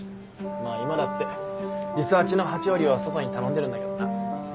まぁ今だってリサーチの８割は外に頼んでるんだけどな。